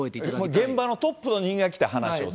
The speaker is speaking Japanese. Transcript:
現場のトップの人間が来て話をすると。